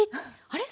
あれ？